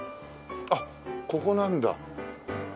あっここなんだ。